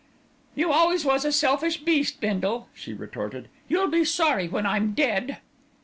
"You always was a selfish beast, Bindle," she retorted. "You'll be sorry when I'm dead."